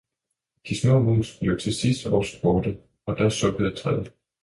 De små mus blev til sidst også borte, og da sukkede træet.